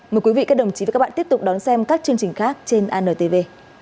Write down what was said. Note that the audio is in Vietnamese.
mời quý vị các đồng chí và các bạn tiếp tục đón xem các chương trình khác trên antv